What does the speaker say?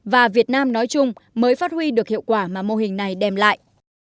và việt nam nói chung mới phát huy được hiệu quả mà mô hình này đem lại